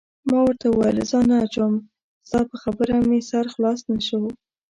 ما ورته وویل: ځان نه اچوم، ستا په خبره مې سر خلاص نه شو.